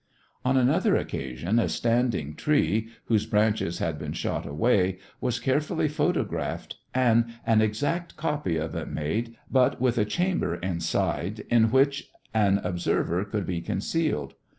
On another occasion a standing tree, whose branches had been shot away, was carefully photographed and an exact copy of it made, but with a chamber inside in which an observer could be concealed.